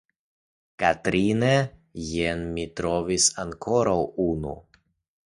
Katrine, jen mi trovis ankoraŭ unu.